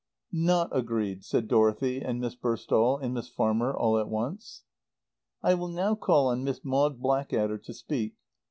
"Not agreed," said Dorothy and Miss Burstall and Miss Farmer all at once. "I will now call on Miss Maud Blackadder to speak.